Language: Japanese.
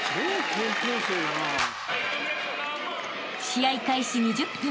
［試合開始２０分。